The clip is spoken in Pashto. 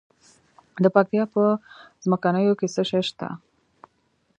د پکتیا په څمکنیو کې څه شی شته؟